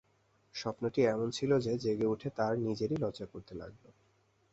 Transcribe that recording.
স্বপ্নটি এমন ছিল যে, জেগে উঠে তাঁর নিজেরই লজ্জা করতে লাগল।